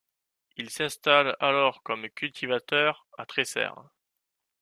Il s'installe alors comme cultivateur à Tresserre.